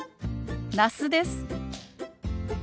那須です。